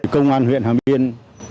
công an huyện hà miên